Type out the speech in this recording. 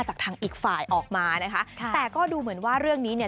จากทางอีกฝ่ายออกมานะคะค่ะแต่ก็ดูเหมือนว่าเรื่องนี้เนี่ย